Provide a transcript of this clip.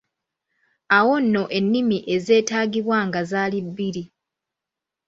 Awo nno ennimi ezeetaagibwanga zaali bbiri.